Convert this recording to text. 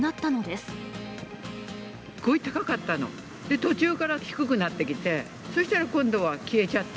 すごい高かったの、で、途中から低くなってきて、そしたら今度は消えちゃって。